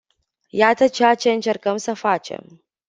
Iată ceea ce încercăm să facem.